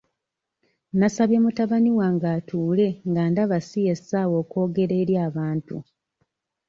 Nasabye mutabani wange atuule nga ndaba si ye ssaawa okwogera eri abantu.